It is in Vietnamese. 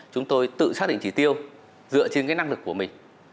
chúng tôi tự xác định chỉ tiêu dựa trên cái năng lực của mình